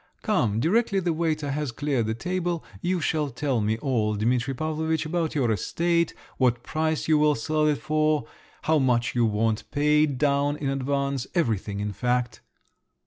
Come, directly the waiter has cleared the table, you shall tell me all, Dimitri Pavlovitch, about your estate, what price you will sell it for, how much you want paid down in advance, everything, in fact!